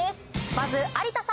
まず有田さん。